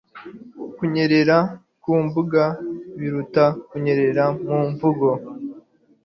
kunyerera ku mbuga biruta kunyerera mu mvugo